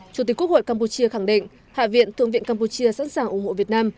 chủ tịch quốc hội campuchia khẳng định hạ viện thượng viện campuchia sẵn sàng ủng hộ việt nam